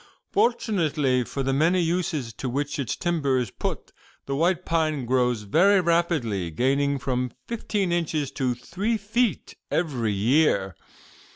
Fortunately for the many uses to which its timber is put, the white pine grows very rapidly, gaining from fifteen inches to three feet every year.